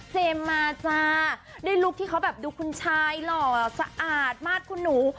มาจ้าด้วยลุคที่เขาแบบดูคุณชายหล่อสะอาดมากคุณหนู